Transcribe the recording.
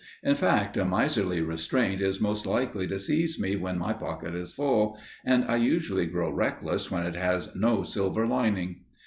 In fact, a miserly restraint is most likely to seize me when my pocket is full, and I usually grow reckless when it has no silver lining.